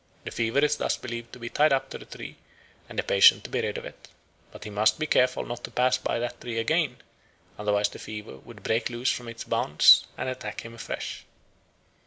The fever is thus believed to be tied up to the tree, and the patient to be rid of it; but he must be careful not to pass by that tree again, otherwise the fever would break loose from its bonds and attack him afresh.